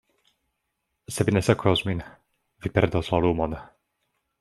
Se vi ne sekvos min, vi perdos la lumon.